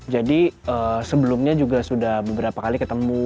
jadi sebelumnya juga sudah beberapa kali ketemu